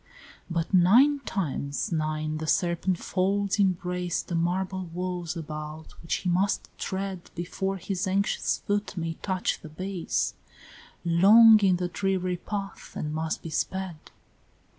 XXVI. But nine times nine the serpent folds embrace The marble walls about which he must tread Before his anxious foot may touch the base: Long in the dreary path, and must be sped!